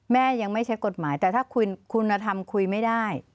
แม่ยังไม่ใช้กฎหมายแต่ถ้าคุณธรรมคุยไม่ได้